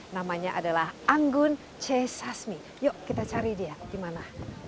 namanya adalah anggun che sasmi yuk kita cari dia dimana